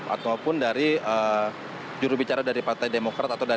ataupun dari jurubicara dari partai demokrat